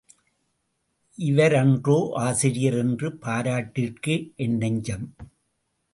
இவரன்றோ, ஆசிரியர் என்று பாராட்டிற்று என் நெஞ்சம்.